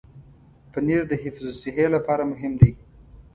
پنېر د حفظ الصحې لپاره مهم دی.